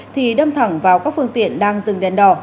thì đâm thẳng vào các phương tiện đang dừng đèn đỏ